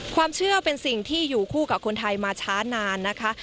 ความเชื่อเป็นสิ่งที่อยู่คู่กับคนไทยมาช้านานนะคะ